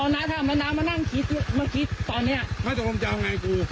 น้าจะเอาไงกับกู